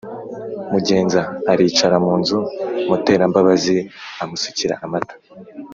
Mugenza aricara munzu muterambabazi amusukira amata